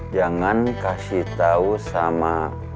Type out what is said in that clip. jangan kasih tau sama